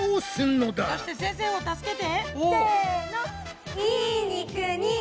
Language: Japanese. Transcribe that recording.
そして先生を助けて！